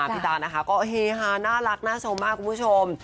พี่ตานะคะก็เฮฮาน่ารักน่าชมมากคุณผู้ชม